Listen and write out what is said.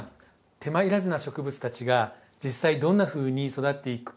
手間いらずな植物たちが実際どんなふうに育っていくか興味ありませんか？